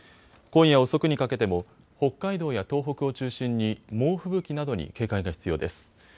今夜遅くにかけても北海道や東北を中心に猛吹雪などに警戒が必要です。